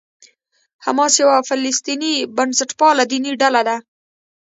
حماس یوه فلسطیني بنسټپاله دیني ډله ده.